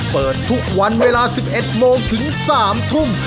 เปิดทุกวันเวลา๑๑โมงถึง๓ทุ่ม